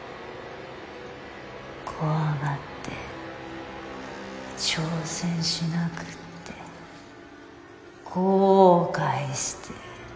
怖がって挑戦しなくて後悔して。